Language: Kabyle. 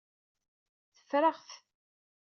Teffer-aɣ-t.